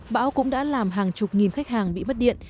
bão cũng đã làm hàng chục nghìn khách hàng bị mất điện